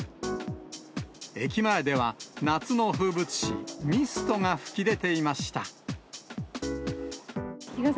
駅前では夏の風物詩、ミストが噴き出ていました。